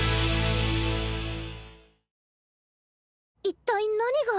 一体何が。